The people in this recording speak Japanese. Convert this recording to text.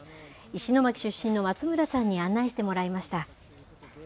石巻出身の松村さんに案内してもらいました。